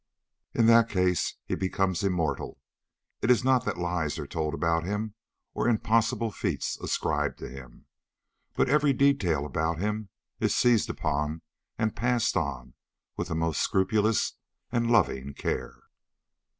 In that case he becomes immortal. It is not that lies are told about him or impossible feats ascribed to him, but every detail about him is seized upon and passed on with a most scrupulous and loving care.